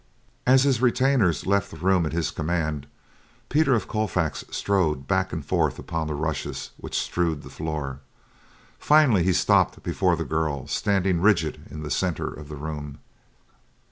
As his retainers left the room at his command, Peter of Colfax strode back and forth upon the rushes which strewed the floor. Finally he stopped before the girl standing rigid in the center of the room.